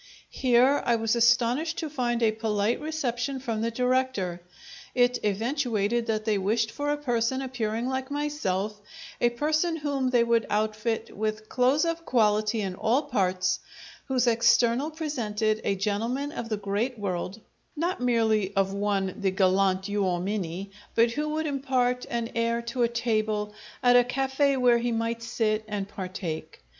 Here I was astonished to find a polite reception from the director. It eventuated that they wished for a person appearing like myself a person whom they would outfit with clothes of quality in all parts, whose external presented a gentleman of the great world, not merely of one the galant uomini, but who would impart an air to a table at a cafe' where he might sit and partake.